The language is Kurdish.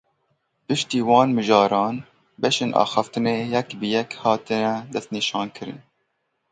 Piştî wan mijaran beşên axaftinê yek bi yek hatine destnîşankirin.